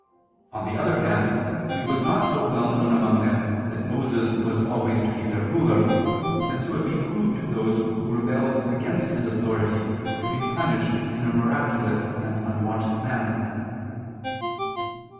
On the other hand, it was not so well known among them that Moses was always to be their ruler, and so it behooved those who rebelled against his authority to be punished in a miraculous and unwonted manner.